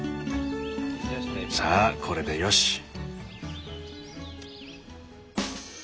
さあこれでよし。